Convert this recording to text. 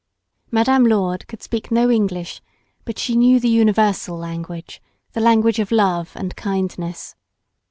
Madame Lourdes could speak no English but she knew the universal language, the language of love and kindness.